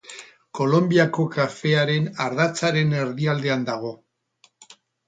Kolonbiako kafearen ardatzaren erdialdean dago.